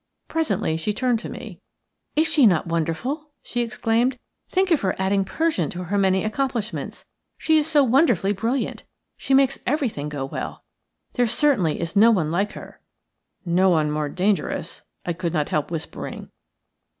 Presently she turned to me. "Is she not wonderful?" she exclaimed. "Think of her adding Persian to her many accomplishments. She is so wonderfully brilliant – she makes everything go well. There certainly is no one like her." "No one more dangerous," I could not help whispering.